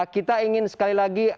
kita ingin sekali lagi